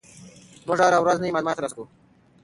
موږ هره ورځ نوي معلومات ترلاسه کوو.